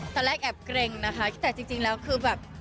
แรกแอบเกร็งนะคะแต่จริงแล้วคือแบบ